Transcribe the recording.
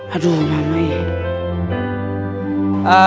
aduh mama ya